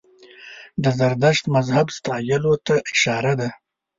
د زردشت مذهب ستایلو ته اشاره ده.